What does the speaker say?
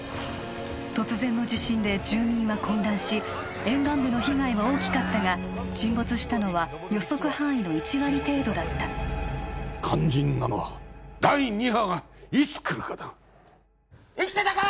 突然の地震で住民は混乱し沿岸部の被害は大きかったが沈没したのは予測範囲の１割程度だった肝心なのは第二波がいつ来るかだ生きてたか？